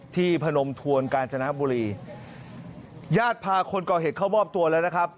พนมทวนกาญจนบุรีญาติพาคนก่อเหตุเข้ามอบตัวแล้วนะครับ